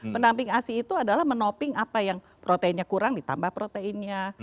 pendamping asi itu adalah menoping apa yang proteinnya kurang ditambah proteinnya